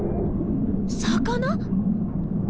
魚？